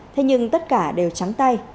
thế nhưng tất cả đều trắng tay